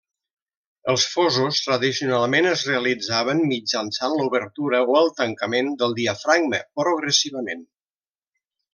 Els fosos tradicionalment es realitzaven mitjançant l'obertura o el tancament del diafragma, progressivament.